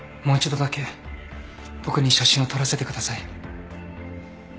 もう一度だけ僕に写真を撮らせてください。